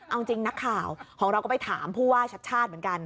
เอาจริงนักข่าวของเราก็ไปถามผู้ว่าชัดชาติเหมือนกัน